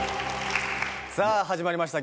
さぁ始まりました